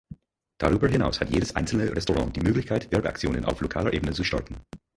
Darüber hinaus hat jedes einzelne Restaurant die Möglichkeit, Werbeaktionen auf lokaler Ebene zu starten.